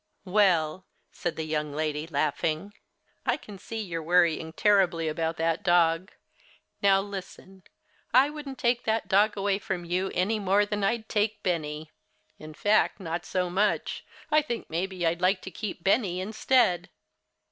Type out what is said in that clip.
"Well," said the young lady, laughing, "I can see you're worrying terribly about that dog. Now listen! I wouldn't take that dog away from you any more than I'd take Benny! In fact, not so much. I think maybe I'd like to keep Benny instead."